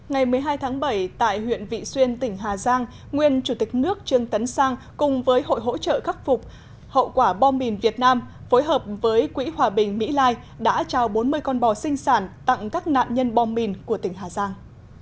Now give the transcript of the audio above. ngày một mươi hai tháng bảy tại huyện vị xuyên tỉnh hà giang nguyên chủ tịch nước trương tấn sang cùng với hội hỗ trợ khắc phục hậu quả bom mìn việt nam phối hợp với quỹ hòa bình mỹ lai đã trao bốn mươi con bò sinh sản tặng các nạn nhân bom mìn của tỉnh hà giang